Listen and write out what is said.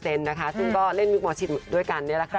ซึ่งก็เล่นมิตรหมอชิดด้วยกันด้วยล่ะค่ะ